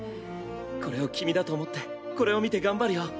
これを君だと思ってこれを見て頑張るよ。